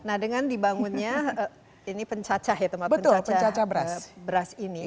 nah dengan dibangunnya ini pencacah ya tempat pencacah beras ini